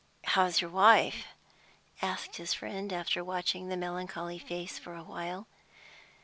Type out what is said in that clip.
"How is your wife?" asked his friend, after watching the melancholy face for a while.